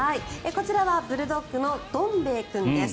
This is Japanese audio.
こちらはブルドッグのどん兵衛君です。